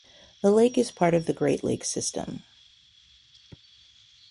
This lake is part of the Great Lakes System.